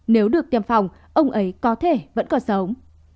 nếu được tiêm phòng ông ấy có thể vẫn còn sống